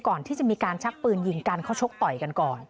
ต่อยกันไปต่อยกันมากลายเป็นเอาปืนออกมายิงกันเลยค่ะ